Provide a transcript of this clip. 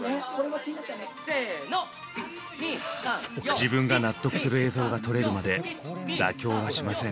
自分が納得する映像が撮れるまで妥協はしません。